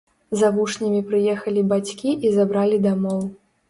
За вучнямі прыехалі бацькі і забралі дамоў.